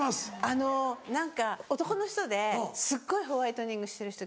あの何か男の人ですっごいホワイトニングしてる人